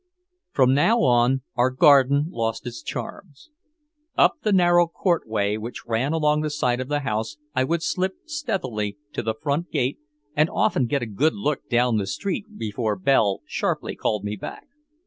From now on, our garden lost its charms. Up the narrow courtway which ran along the side of the house I would slip stealthily to the front gate and often get a good look down the street before Belle sharply called me back.